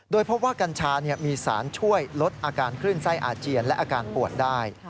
โดยพบว่ากัญชามีสารช่วยลดอาการคลื่นไส้อาเจียนและอาการปวดได้